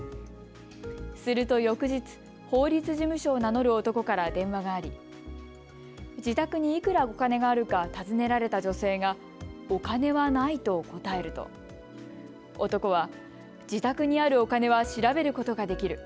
すると翌日、法律事務所を名乗る男から電話があり自宅にいくらお金があるか尋ねられた女性がお金はないと答えると男は自宅にあるお金は調べることができる。